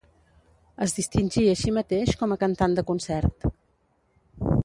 Es distingí així mateix com a cantant de concert.